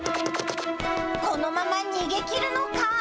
このまま逃げきるのか？